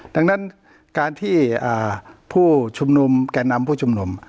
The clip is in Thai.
ดังนั้นการที่ผู้ชุมนุมแก่นำผู้ชุมนุม